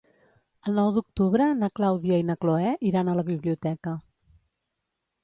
El nou d'octubre na Clàudia i na Cloè iran a la biblioteca.